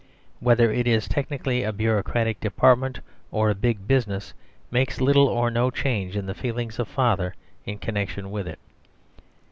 Whether it is technically a bureaucratic department or a big business makes little or no change in the feelings of Father in connection with it.